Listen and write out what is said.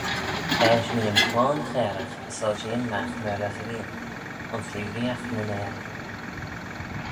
Eisht nee yn chloan chairagh soilshean magh myr y ghrian, ayns reeriaght nyn ayrey.